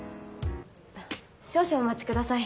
少々お待ちください。